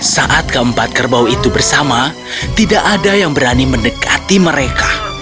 saat keempat kerbau itu bersama tidak ada yang berani mendekati mereka